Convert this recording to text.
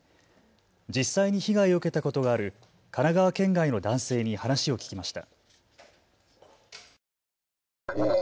実際に被害を受けたことがある神奈川県外の男性に話を聞きました。